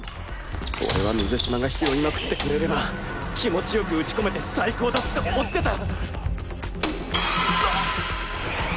俺は水嶋が拾いまくってくれれば気持ち良く打ち込めて最高だって思ってた